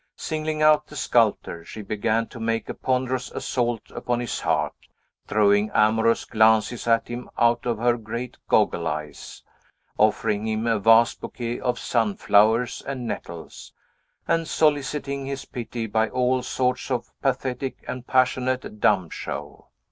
Singling out the sculptor, she began to make a ponderous assault upon his heart, throwing amorous glances at him out of her great goggle eyes, offering him a vast bouquet of sunflowers and nettles, and soliciting his pity by all sorts of pathetic and passionate dumb show.